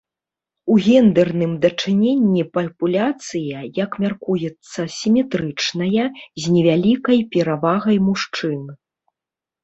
У гендэрным дачыненні папуляцыя, як мяркуецца, сіметрычная, з невялікай перавагай мужчын.